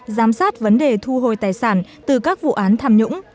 giám sát vấn đề thu hồi tài sản từ các vụ án tham nhũng